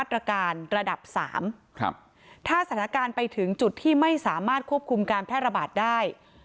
ถ้าสถานการณ์ไปถึงจุดที่ไม่สามารถควบคุมการแพร่ระบาดได้